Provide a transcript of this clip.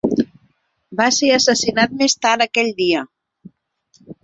Va ser assassinat més tard aquell dia.